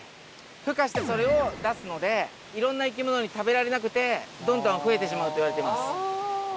ふ化してそれを出すのでいろんな生き物に食べられなくてどんどん増えてしまうといわれています。